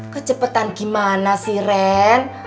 kecepetan gimana sih ren